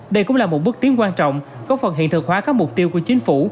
đây cũng là một bước tiến quan trọng góp phần hiện thực hóa các mục tiêu của chính phủ